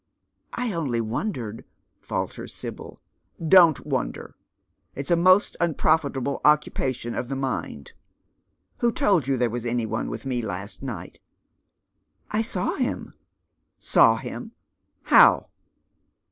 " I only wondered " falters Sibyl. " Don't wonder. It's a most unprofitable occupation of tho mind. Who told you there was any one with me last night ?"I saw liim." "Saw him? How?"